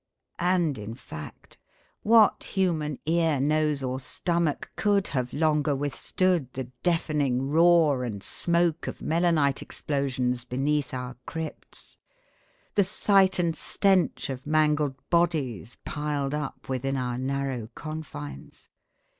And in fact, what human ear, nose, or stomach could have longer withstood the deafening roar and smoke of melanite explosions beneath our crypts; the sight and stench of mangled bodies piled up within our narrow confines?